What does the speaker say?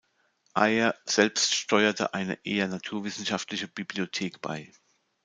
Ayer selbst steuerte eine eher naturwissenschaftliche Bibliothek bei.